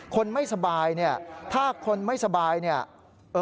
คนไม่สบายเนี่ยถ้าคนไม่สบายเนี่ย